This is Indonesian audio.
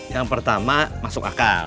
yang pertama masuk akal